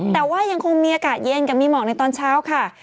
แต่ว่ายังคงมีอากาศเย็นกับมีหมอกในตอนเช้าค่ะ